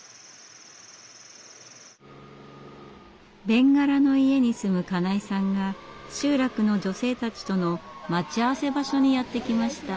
べんがらの家に住む金井さんが集落の女性たちとの待ち合わせ場所にやって来ました。